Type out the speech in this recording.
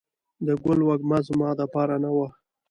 د ګل وږمه زما دپار نه وه